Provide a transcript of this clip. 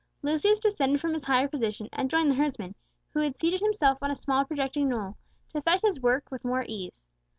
Lucius descended from his higher position, and joined the herdsman, who had seated himself on a small projecting knoll, to effect his work with more ease.